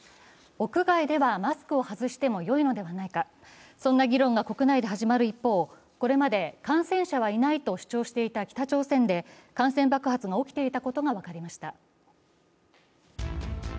屋外ではマスクを外してもよいのではないか、そんな議論が国内で始まる一方、これまで感染者はいないと主張していた北朝鮮で感染爆発が起きていたことが分かりました。